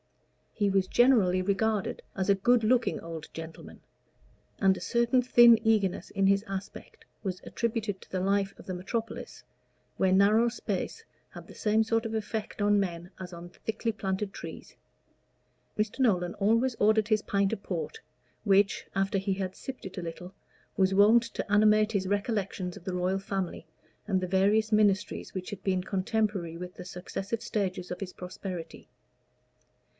He was generally regarded as a good looking old gentleman, and a certain thin eagerness in his aspect was attributed to the life of the metropolis, where narrow space had the same sort of effect on men as on thickly planted trees. Mr. Nolan always ordered his pint of port, which, after he had sipped it a little, was wont to animate his recollections of the Royal Family, and the various ministries which had been contemporary with the successive stages of his prosperity.